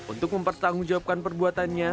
untuk mempertanggungjawabkan perbuatannya